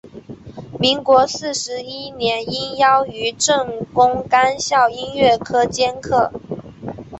民国四十一年应邀于政工干校音乐科兼课。